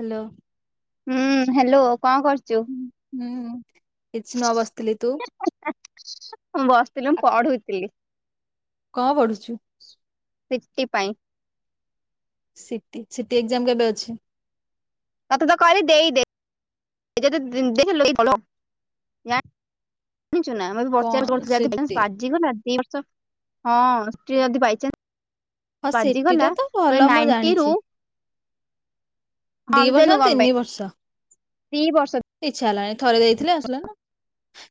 Hello. ହୁଁ hello କଣ କରୁଛୁ? ହୁଁ କିଛି ନବସିଥିଲି ତୁ? ମୁଁ ବସିଥିଲି ମୁଁ ପଡୁଥିଲି। କଣ ପଢୁଛୁ? ସିଟି ପାଇଁ। ସିଟି ସିଟି ଏକ୍ଜାମ କେବେ ଅଛି? ତତେତ କଇଲି ଦେଇଦେ [inaudible] ଜାଣିଛୁ ନା କଣ [unintelligible] ଯଦି ବାଇଚାନ୍ସ ସିଟି ବାଜିଗଲା ଦିବର୍ଷ ହଁ ଯଦି ବାଇଚା ହଁ ସେଟିଟା ତ ମାନେ ଭଲ ମୁଁ ନାଇଣ୍ଟି ରୁ ଜାଣିଛି। ହଁ ଦି ବର୍ଷ ନା ଦେଲୁ କମ ତିନି ପାଇଁ ବର୍ଷ ଦିବର୍ଷ [unintelligible] ଇଚ୍ଛା ହେଲାଣି ଥରେ ଦେଇଥିଲି ଆସିଲାନି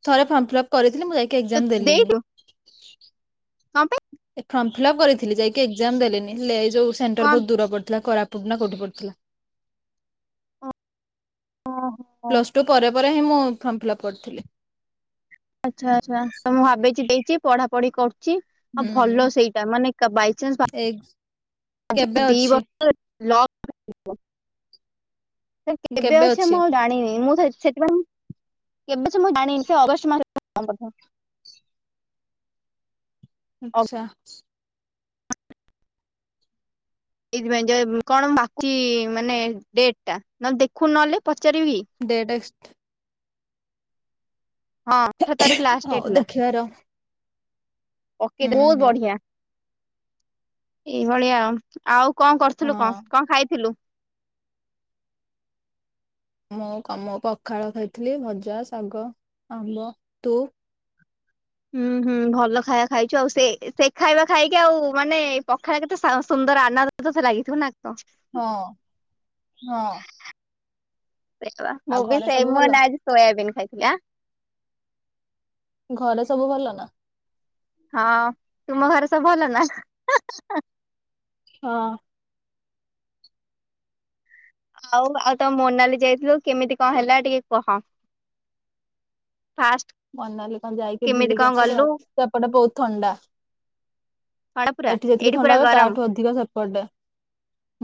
ଥରେ ଫର୍ମ ଫିଲ୍ଅପ୍ କରିଥିଲି ମୁଁ ଯାଇକି ତୁ ଏକ୍ଜାମ୍ ଦେଲିନି। ଦେଇଛୁ କଣ ପାଇଁ ଫର୍ମ ଫିଲଅପ୍ କରିଥିଲି ଯାଇକି ଏକ୍ଜାମ୍ ଦେଲିନି ହେଲେ ଯୋଉ ସେଣ୍ଟର କଣ ବହୁତ ଦୂର ପଡିଥିଲା କରାପ ପୁନା କୋଉଠି ପଡ଼ିଥିଲା? ହଁ। ପ୍ଲସ ଟୁ ପରେ ପରେ ହିଁ ମୁଁ ଫର୍ମ ଫିଲ୍ଅପ୍ କରିଥିଲି। ଆଚ୍ଛା ଆଚ୍ଛା ତ ମୁଁ ଭାବିଛି ଦେଇଛି ପଢାପଢି କରୁଛି। ଆଉ ଭଲ ସେଇଟା ମାନେ ବାଇଚାନ୍ସ ପା ଏଗ ଆଛା ଦିବର୍ଷରେ ଲ କେବେ ଅଛି ମୁଁ ଆଉ ଜାଣିନି ମୁଁ ସେଥିପାଇଁ କେବେ ଅଛି ମୁଁ ଜାଣିନି ସେ ଅଗଷ୍ଟ ମାସ ଆଛା। ଏଇଥିପାଇଁ ଯେ କଣ ବାକି ମାନେ ଡେଟ ଟା ନଲେ ଦେଖୁ ନଅଲେ ପଚାରିବି କି? ଡେଟ୍ ହଁ ଅଠର ତାରିଖ ଲାଷ୍ଟ ହଉ ଡେଟ୍ ଥିଲା ଦେଖିବାର ପକେଇ ହୁଁ ଦେ ବୋହୁତ ହୁଁ ବଢିଆ। ଏଇଭଳିଆ ଆଉ କଣ କରୁଥିଲୁ କ ହଁ କଣ ଖାଇଥିଲୁ? ମୁଁ ପଖାଳ ଖାଇଥିଲି ଭଜା ଶାଗ ଆମ୍ବ ତୁ? ହୁଁ ହୁଁ ଭଲ ଖାଇବା ଖାଇଚୁ ଆଉ ସେ ସେ ଖାଇବା ଖାଇକି ଆଉ ମାନେ ପଖାଳ କେତେ ସା ସୁନ୍ଦର ଆନ ସ ଲାଗିଥିବନା କଣ? ହଁ ହଁ। ଆଉ ମୁଁ ବି ଘରେ ସବୁ ସେଇମ ଭଲ ଆଜି ସୋୟାବିନ୍ ଖାଇଥିଲି ଆ। ଘରେ ସବୁ ଭଲ ତ? ହଁ ତୁମ ଘରେ ସବୁ ଭଲ ନା? ହଁ। ଆଉ ଆଉ ତ ମୋନାଲି ଯାଇଥିଲ କେମିତି କଣ ହେଲା ଟିକେ କହ? ଫାଷ୍ଟ ମନାଲି କଣ ଯାଇକି କେମିତି ବୁଲିକି କଣ ଆସିଲୁ ଗଲୁ ଆଉ ସେପଟେ ବହୁତ ଥଣ୍ଡା। ଥଣ୍ଡା ପୁରା ଏଠି ଯେତିକି ଏଇଠି ଥଣ୍ଡା ପୁରା ହୁଏ ଗରମ ତାଠୁ ଅଧିକ ସେପଟେ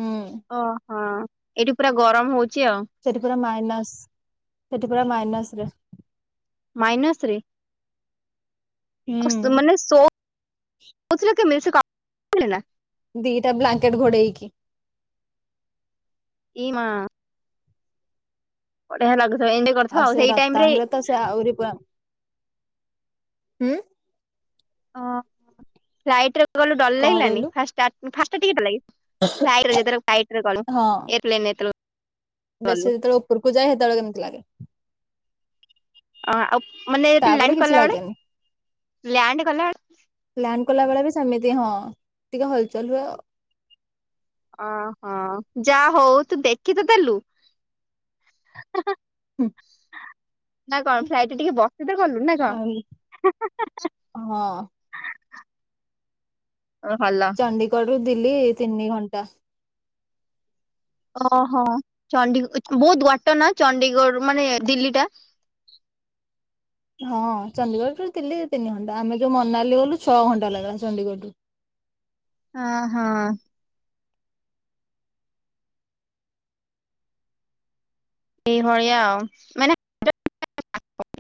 ହୁଁ ଓହୋ। ଏଇଠି ପୁରା ଗରମ ହୋଉଛି ଆଉ। ସେଠି ପୁରା ମାଇନାସ୍ ସେଠି ପୁରା ମାଇନାସ୍। ମାଇନସ୍ ରେ ହୁଁ ମାନେ ଶୋ ମି କ ମି [unintelligible] ଦିଟା ବ୍ଲାଙ୍କେଟ ଘୋଡେଇକି କି ମଠ? ବଢିଆ ଲାଗୁଥ ଏ ଆଉ ସେ ରତାଙ୍ଗରେ ତ ସେ ଆହୁରି ପା ଓ ଫ୍ଲାଇଟ୍ ରେ ଗଲୁ ଡର କଣ ଲାଗିଲାନି। କହିଲୁ ଖାଇ ରତର ଖାଇଟ ର କ ହଁ ଏତନ ଏତ [unintelligible] ବେଶୀ ଯେତେବେଳେ ଉପରକୁ ହେତୋଳେ କେମିତି ଅଁ ଆଉ ମାନେ ଯେତେବେଳେ ତାପରେ ଲ୍ୟାଣ୍ଡ କିଛି କଲା ବେଳେ ଲାଗେନି ଲ୍ୟାଣ୍ଡ କଲା ଲ୍ୟାଣ୍ଡ କଲାବେଳେ ବି ସେମିତି ହଁ ଟିକେ ହଲଚଲ ହୁଏ ଆଉ। ଓହୋ ଯା ହୋଉ ତୁ ଦେଖି ତ ଦେଲୁ। ହୁଁ [inaudible] ନା କଣ ଫ୍ଲାଇଟ ଟିକେ ବସି ତ ଗଲୁ ନା ଆଉ। କଣ? ହଁ ଓ ଭଲ ଚଣ୍ଡିଗଡ଼ରୁ ଦିଲି ତିନି ଘଣ୍ଟା ଓହୋ ଚ ବହୁତ୍ ବାଟନା ଚଣ୍ଡିଗଡ଼ ମାନେ ଦିଲ୍ଲୀଟା? ହଁ ଚଡିୀଗଡ଼ରୁ ଦିଲି ତିନି ଘଣ୍ଟା ଆମେ ଯଉ ମନାଲି ଗଲୁ ଛଅ ଘଣ୍ଟା ଲାଗିଲା ଚଣ୍ଡିଗଡ଼ରୁ। ଅଁ ହଁ। ଏଇଭଳିଆ ଆଉ ମାନେ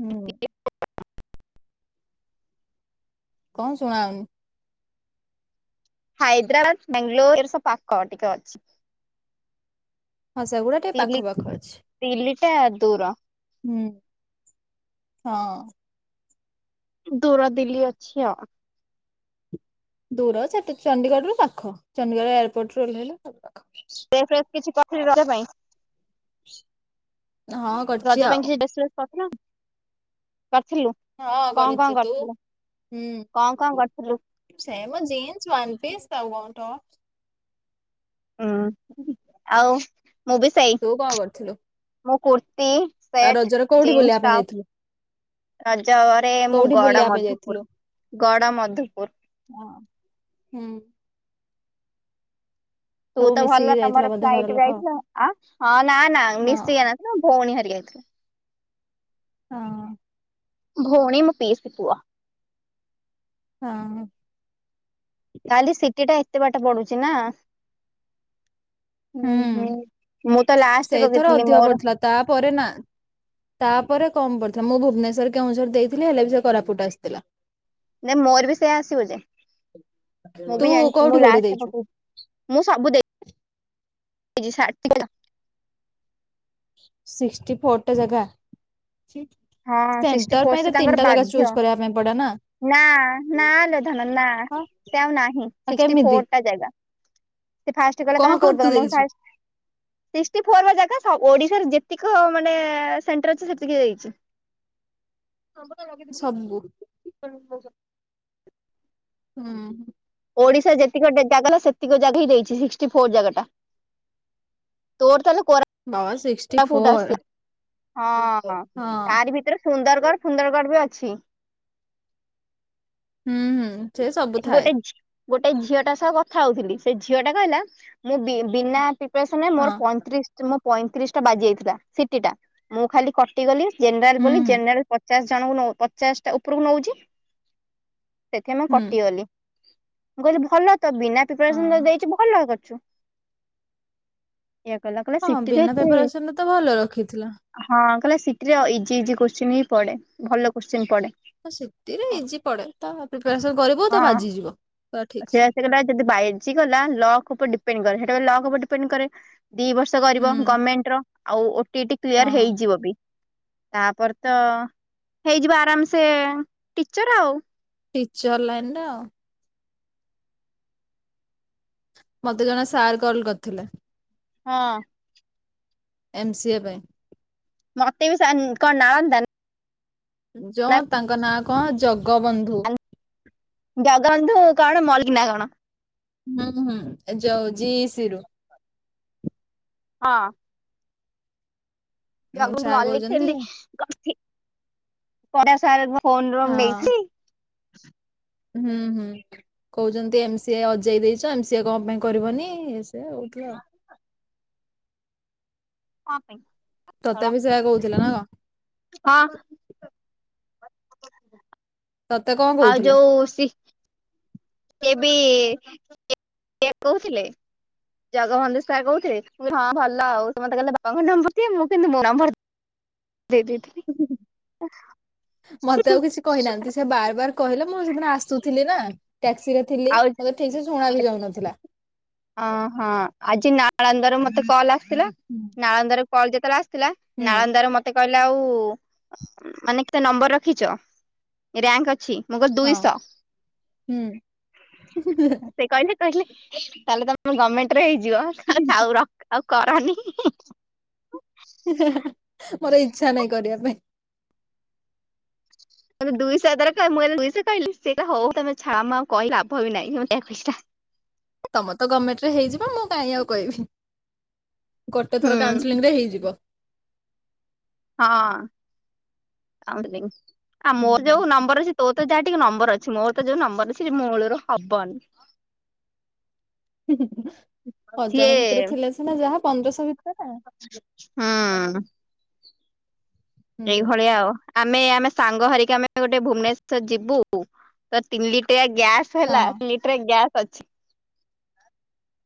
ହୁଁ। କଁ ଶୁଣାଉନି? ହାଇଦ୍ରାବାଦ ବାଙ୍ଗାଲୋର ଏରା ସବୁ ପାଖ ଟିକେ ଅଛି। ହଁ ସେଗୁଡ଼ା ତିଲି ଦିଲିଟା ଦୂର। ହୁଁ ହଁ। ଦୂର ଦିଲ୍ଲୀ ଅଛି ଆଉ। ଦୂର ସେଠି ଚଣ୍ଡିଗଡ଼ରୁୁ ପାଖ ଚଣ୍ଡିଗଡ଼ ଏୟାରପୋର୍ଟୁ ଓହ୍ଲେଇଲେ ପାଖ। ଡ୍ରେସ୍ ଫ୍ରେସ୍ କିଛି ପଠେଇବି ରଜ ପାଇଁ? ହଁ କରିଛି ରଜ ପାଇଁ ଆଉ କିଛି ଡ୍ରେସ୍ ଫ୍ରେସ୍ କରିଥିଲ କରିଥିଲୁ? ହଁ କଁ କଁ କରିଛି ତୁ କରିଥିଲ କଁ କଁ କରିଥିଲୁ? ସେଇମ ଜିନ୍ସ ନ୍ ପିସ୍ [unintelligible] ହୁଁ ଆଉ ମୁଁବି ସେଇ ତୁ କଣ କରିଥିଲୁ ମୁଁ କୁର୍ତିୀ ଆଉ ସେଟ୍ ରଜରେ କୋଉଠି ବୁଲିବା ଜିନ୍ସ ପାଇଁ ଟପ୍ ଯାଇଥିଲୁ? ରଜରେ ମୁଁ କୋଉଠି ଗଡ଼ ବୁଲିବା ପାଇଁ ଯାଇଥିଲୁ? ମଧୁପୁର ଗଡ଼ ମଧୁପୁର ହଁ ହୁଁ। ସବୁ ତୁତ ମିଶିକି ଭଲ ଯାଇଥିଲ ତମର ବୋଧେ ଘର ଫ୍ଲାଇଟ୍ ଲୋକ ଯାଇଥିଲୁ ହଁ ନା ନା ହଁ ମିଶି ନା ଭଉଣୀ ହାରିକା ଆଇଁଥିଲେ। ହଁ। ଭଉଣୀ ମୋ ପିଇସି ପୁଅ। ହଁ। ତାହଲେ ସିଟିଟା ଏତେ ବାଟ ପଡ଼ୁଚିନା? ହୁଁ ହୁଁ ମୁଁତ ଲାଷ୍ଟରେ ସେଇଥର ପକେଇଥିଲି ଅଧିକ ମୋର ପଡିଥିଲା ତାପରେ ନା ତାପରେ କମ୍ ପଡ଼ିଥିଲା ମୁଁ ଭୁବନେଶ୍ୱର କେଉଁଝର ଦେଇଥିଲି ହେଲେବି ସେକୋରାପୁଟ ଆସିଥିଲା। ନାଇଁ ମୋରବି ସେୟ ଆସିବଯେ ତୁ ମୁଁବି ଜାଣିଚି କୋଉଠି ମୁଁ କୋଉଠି ଲାଷ୍ଟେ ଦେଇଛୁ? ପକେଇଚି ମୁଁ ସବୁ ଦେଖିଚି [unintelligible] ସିକ୍ସଟି ଫୋରଟେ ଜାଗା ଛି ହଁ ସିଷ୍ଟି ପୋସି ସେତାଙ୍କର ବାଧ୍ୟ। କରିବା ପାଇଁ ପଡେ ନା। ନା ନାଆଲ ଧନ ନା ହଁ ସିଏ ଆଉ ନାହିଁ ଆଉ ସିକ୍ସଟି କେମିତି ଫୋରଟା ଜାଗା। ସେ ଫାଷ୍ଟେ କହିଲା କଣ ତମେ କଣ କୋଉଠି ତୁ ଦବ ଦେଇଛୁ ଫା ସିକ୍ସଟି ଫୋରବା ଜାଗା ଓଡ଼ିଶାରେ ଯେତିକି ମାନେ ସେଣ୍ଟର ଅଛି ସେତିକି ଦେଇଚି। [unintelligible] ହମ୍ବୁ [unintelligible] ହୁଁ। ଓଡ଼ିଶା ଯେତିକି ଜାଗାଲୋ ସେତିକି ଜାଗାହିଁ ଦେଇଚି ସିକ୍ଟି ଫୋର ଜାଗାଟା। ତୋର ତାହେଲେ କୋରା ବାବା ଶିକ୍ [unintelligible] ହଁ ହଁ ତାରି ଭିତରେ ସୁନ୍ଦରଗଡ଼ ଫୁନ୍ଦରଗଡ଼ ବି ଅଛି। ହୁଁ ହୁଁ ସେ ସବୁ ଥାଏ ଗୋଟେ ଝି ଗୋଟେ ଝିଅଟା ସହ କଥା ହଉଥିଲି ସେ ଝିଅଟା କହିଲା ମୁଁ ବିନା ପ୍ରିପରେସନ ନାଇ ହଁ। ମୋର ପଇଁତିରିଶି ପଇଁତିରିଶ ଟା ବାଜି ଯାଇଥିଲା ସିଟି ଟା ମୁଁ ଖାଲି କଟିଗଲି ଜେନେରାଲ ହୁଁ ବୋଲି ହୁଁ ଜେନେରାଲ ପଚାଶ ଜଣଙ୍କୁ ପଚାଶ ଟା ଉପରକୁ ନଉଛି। ସେଥିଆଁଇ ମୁଁ ହୁଁ କଟିଗଲି ମୁଁ କହିଲି ଭଲ ତ ବିନା ପ୍ରିପାରେସନ ତ ହଁ ଦେଇଛି ଭଲ କରିୁଛୁ। ଏ କଲା କଲା ହଁ ସିଟି ରେ ବିନା ତୁ ପ୍ରିପାରେସନରେ ତ ଭଲ ରଖିଥିଲା। ହଁ କହିଲେ ସିଟି ରେ ଇଜି ଇଜି କୋଶ୍ଚିନ୍ ହିଁ ପଡେ ଭଲ କୋଶ୍ଚିନ୍ ପଡେ। ହଁ ସେଥିରେ ଇଜି ପଡେ ତ ପ୍ରିପାରେସନ କରିବୁ ତ ହଁ ବାଜିଯିବ ଠିକ ସେ। ଯଦି ବାଜିଗଲା ଲକ୍ ଉପରେ ଡିପେଣ୍ଡକରେ ସେଟା ଲକ ଉପରେ ଡିପେଣ୍ଡ କରେ ଦି ବର୍ଷ କରିବ ହୁଁ ଗମେଣ୍ଟ ର ଆଉ ଓଟିଇଟି କ୍ଲିୟର ହଁ ହେଇଯିବ ବି। ତାପରେ ତ ହେଇଯିବ ଆରାମସେ ଟିଚର ଆଉ। ଟିଚର ଲାଇନ ରେ ଆଉ ମତେ ଜଣେ ସାର୍ କଲ କରିଥିଲେ। ହଁ। ଏମ୍ ସି ଏ ପାଇଁ। ମତେ ବି ସାର୍ କନ୍ ନାଳନ୍ଦା ନ ଯଉ ତାଙ୍କ ନାଁ କଣ ଜଗବନ୍ଧୁ। ଜଗାବନ୍ଧୁ କଣ ମଲିକି ନା କଣ। ହୁଁ ହୁଁ ଯାଉ ଜିସିିରୁ। ହଁ। ଉଁ, ଜଗ ସାର୍ ମଲ୍ଲିକ କହୁଛନ୍ତି ସେମତି ହଁ [unintelligible] ନେଇଥିଲ। ହୁଁ ହୁଁ କହୁଛନ୍ତି ଏମ ସିଏ ଅଜେଇ ଦେଇଛ ଏମ ସି ଏ କଣ ପାଇଁ କରିବନି। ସେ ହଉଥିଲା ଆଉ କପାଇଁ? ତତେ ବି ସେୟା କହୁଥିଲା ନା କ। ହଁ। ତତେ କଣ କହୁଥିଲେ? ଓସି କେ ବି [unintelligible] କହୁଥିଲେ ଜଗବନ୍ଧୁ ଶାର୍ କହୁଥିଲେ ହଁ ଭଲ ଆଉ ସେ ମତେ କହିଲେ ବାବାଙ୍କ ନମ୍ବର ଦିଅ, ମୁଁ କିନ୍ତୁ ମୋ ନମ୍ବର ଦେଇଦେଲି। ଦେଇଦେଇଥିଲି। ମତେ ଆଉ କିଛି କହିନାହାନ୍ତି ସେ ବାର ବାର କହିଲେ ମୁଁ ସେଦିନ ଆସୁଥିଲି ନା ଟ୍ୟାକ୍ସି ରେ ଥିଲି। ମତେ ଠିକ ସେ ଶୁଣା ବି ଯାଉନଥିଲା। ଓହଁ ଆଜି ନାଳନ୍ଦର ମତେ କଲ୍ ଆସିଥିଲା ନାଳନ୍ଦର କଲ୍ ଯେତେବେଳେ ଆସି ଥିଲା ହୁଁ ନାଳନ୍ଦାର ମତେ ମତେ କହିଲା ଆଉ ମାନେ କେତେ ନମ୍ବର ରଖିଛ ରେଙ୍କ ଅଛି? ମୁଗ ହଁ ଦୁଇଶହ ହୁଁ। ସେ କହିଲେ ତାହେଲେ ତମର ଗମେଣ୍ଟ ରେ ହେଇଯିବ ଥାଉ ରଖ ଆଉ କରନି। ହ ହ ମୋର ଇଛା ନାହିଁ କରିବା ପାଇଁ। ମେ ଦୁଇଶହ ଦରକ ମୁଁ ହେଲେ ଦୁଇହ କହିଲି ସେଇଟ ହଉ ତମେ ଛା ମା କହିଲ ଲଭ ବି ନହିଁ ମା [unintelligible] ତମେ ତ ଗମେଣ୍ଟ ରେ ହେଇଯିବ, ମୁଁ କାହିଁ ଆଉ କହିବି ଗୋଟେ ହୁଁ ଥର କାଉନସେଲିଂ ରେ ହେଇଯିବ। ହଁ ଆଉ ମୋର ଯୋଉ ନମ୍ବର ଅଛି। ତୋ ତ ଯାହା ଟିକେ ନମ୍ବର ଅଛି ମୋର ତ ଯୋଉ ନମ୍ବର ଅଛି ମୂଳରୁ ହବନି। ହଜାର ଭିତରେ ସିଏ ଥିଲା ସିନା ଯାହା ପନ୍ଦରଶହ ଭିତରେ। ହଁ। ହୁଁ ସେଇ ଭଳିଆ ଆଉ। ଆମେ ଆମେ ସାଙ୍ଗ ହରିକା ଆମେ ଗୋଟେ ଭୁବନେଶ୍ଵର ଯିବୁ ତ ତିନି ଲିଟିରିଆ ଗ୍ୟାସ୍। ହେଲା ହଁ ଲିଟରେ ଗ୍ୟାସ୍ ଅଛି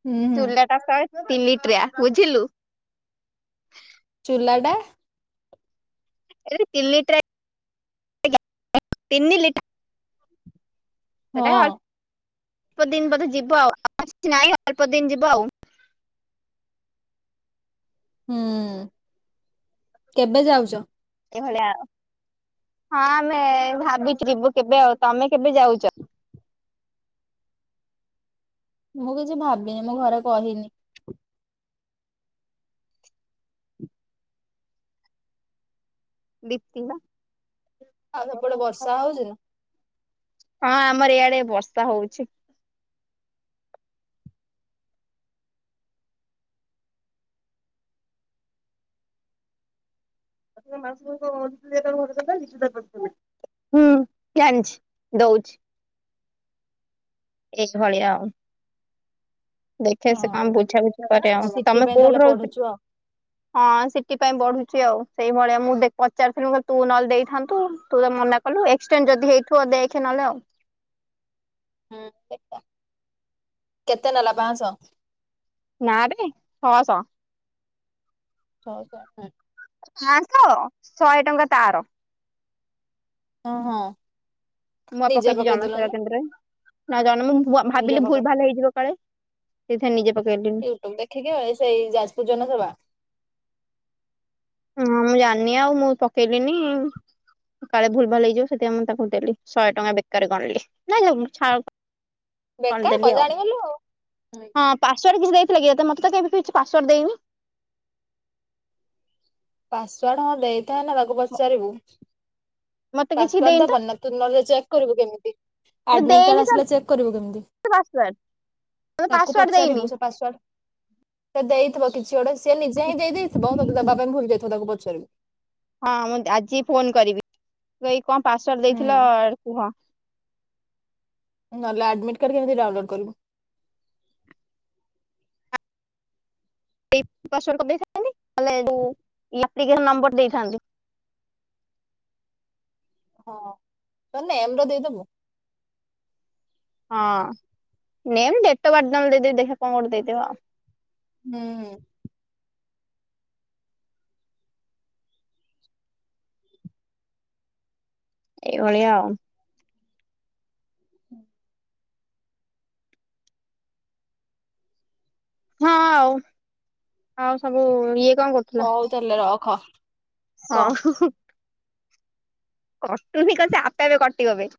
ହୁଁ ହୁଁ ଚୁଲା। ତିନି ଲିଟ୍ରିଆ ବୁଝିଲୁ। ଚୁଲାଟା। ଯଦି ତିନି ଲିଟିରିଆ। ତିନି ଲି ସେଟା ହଁ ଅଳ୍ପ ଦିନ ବୋଧେ ଯିବ ଆଉ କପାସିଟି ନାହିଁ ଅଳ୍ପ ଦିନ ଯିବ ଆଉ। ହୁଁ କେବେ ଯାଉଛ? ଏଭଳିଆ ଆଉ ହଁ ଆମେ ଭାବିଚି ଯିବୁ କେବେ ଆଉ। ତମେ କେବେ ଯାଉଛ? ମୁଁ କିଛି ଭାବିନି ମୁଁ ଘରେ କହିନି। ଦିପ୍ତି ବା। ଆଉ ସେପଟେ ବର୍ଷା ହଉଛି ନା? ହଁ ଆମର ଇଆଡେ ବର୍ଷା ହଉଛି। [unintelligible] ହୁଁ ଜାଣିଛି ଦଉଛି। ଏଇ ଭଳିଆ ଆଉ। ଦେଖେ ସେ ହଁ। କଣ ବୁଝାବୁଝି କରେ ଆଉ ସିଟି ତମେ ପାଇଁ ତାହେଲେ କୋଉଠି ରହୁ ପଢୁଛୁ ଆଉ। ହଁ ସି ଟି ପାଇଁ ପଢୁଛି ଆଉ ସେଇଭଳିଆ ମୁଁ ଦେ ପଚାରୁଥିଲୁ [unintelligible] ତୁ ନହେଲେ ଦେଇଥାନ୍ତୁ ତୁ ତ ମନା। କଲୁ ଏକ୍ସଟେଣ୍ଡ ଯଦି ହେଇଥିବ ଦେଖେ ନହଲେ ଆଉ। ହଁ ଏ କେତେ ନେଲା ପାଂସ? ନା ବେ ଛ ଶହ। ଛଅ ଶହ ହୁଁ। ପାଂଶ ଶହେ ଟଙ୍କା ତାର। ଅ ହଁ। ମୁଁ ପା ନିଜେ ପକେଇଛି ଜନସେବା ପକେଇଦେଲୁନି କେନ୍ଦ୍ରରେ ନା [unintelligible] ନିଜେ ଭାବିଲି ପକେଇ ଭୁଲ ଭାଲ ହେଇଯିବ କାଳେ। ଏଇଥର ନିଜେ ପକେଇଲିନି। ଠିକେ ସେଇ ଯାଜପୁର ଜନସେବା। ଅଁ ମୁଁ ଜାଣିନି ଆଉ ମୁଁ ପକେଇଲିନି। କାଳେ ଭୁଲ ଭାଲ ହେଇଯିବ ସେଥିପାଇଁ ମୁଁ ତାକୁ ଦେଲି ଶହେ ଟଙ୍କା ବେକାର ଗଣିଲି ନାଇ [unintelligible] କଣ ଦେଲି ଆଉ ହଁ। ପାସୱାର୍ଡ କିଛି ଦେଇଥିଲା କି ତତେ ମତେ ତ କାଇଁ [unintelligible] କିଛି ପାସୱାର୍ଡ ଦେଇନି। ପାସୱାର୍ଡ ହଁ ଦେଇଥାଏ ନା ତାକୁ ପଚାରିବୁ। ମତେ କିଛି ପାସୱାର୍ଡ ଦେଇନି ତ ଦବନିନା ତୁ ନହେଲେ ଚେକ କରିବୁ କେମିତି। ମୁଁ ଆଡମିଟ୍ ଦେଇନି କାର୍ଡ ଆସିଲେ ଚେକ୍ କରିବୁ କେମିତି? ପାସୱାର୍ଡ ମତେ ତାକୁ ପାସୱାର୍ଡ ଦେଇନି ପଚାରିବୁ ସେ ପାସୱାର୍ଡ। ସେ ଦେଇଥିବ କିଛି ଗୋଟେ ସିଏ ନିଜେ ହିଁ ଦେଇ ଦେଇଥିବ ତତେ ଦବା ପାଇଁ ଭୁଲି ଯାଇଥିବ ତାକୁ ପଚାରିବୁ। ହଁ ମୁଁ ଆଜି ଫୋନ କରିବି କହିବି କଣ ପାସୱାର୍ଡ ଦେଇଥିଲ ହୁଁ କୁହ। ନହେଲେ ଆଡ଼ମିଟ କାର୍ଡ କେମିତି ଡ଼ାଉନଲୋଡ କରିବୁ। ସେଇ ପାସୱାର୍ଡ କରି ଦେଇଥାନ୍ତି ନହେଲେ ଯୋଉ ଇ ଆପ୍ଲିକେସନ୍ ନମ୍ବର ଦେଇଥାନ୍ତି। ହଁ ତୋ ନେମ ର ଦେଇଦବୁ। ହଁ ନେମ୍, ଡେଟ ଅଫ ବାର୍ଥ୍ ନହେଲେ ଦେଇଦେବି ଦେଖିବା କଣ ଗୋଟେ ଦେଇଦବା। ହୁଁ। ଏଇଭଳିଆଉ ହୁଁ। ହଁ ଆଉ ଆଉ ସବୁ ଇଏ କଣ କରୁ? ଆଜ୍ଞା ହଉ ତାହେଲେ ରଖ। କହ ହଉ। କଟୁନି କଣ ବେ ସେ ଆପେ ଆପେ କଟିବବେ